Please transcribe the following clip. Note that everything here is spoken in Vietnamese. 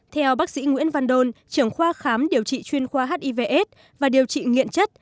theo bác sĩ nguyễn văn đôn trưởng khoa khám điều trị chuyên khoa hivs và điều trị nghiện chất